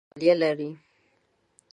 هضم په خوله کې میخانیکي عملیه لري.